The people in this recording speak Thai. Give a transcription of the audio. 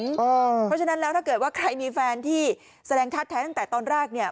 เพราะฉะนั้นแล้วถ้าเกิดว่าใครมีแฟนที่แสดงท่าแท้ตั้งแต่ตอนแรกเนี่ย